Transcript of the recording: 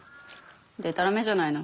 でたらめじゃないの。